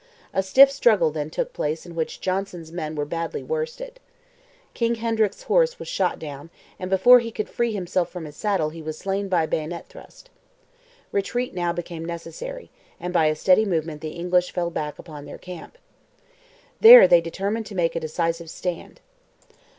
A stiff struggle then took place in which Johnson's men were badly worsted. King Hendrick's horse was shot down, and before he could free himself from his saddle he was slain by a bayonet thrust. Retreat now became necessary, and by a steady movement the English fell back upon their camp. There they determined to make a decisive stand.